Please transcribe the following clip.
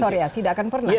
sorr ya tidak akan pernah